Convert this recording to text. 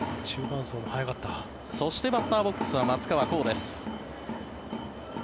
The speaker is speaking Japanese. そしてバッターボックスは松川虎生です。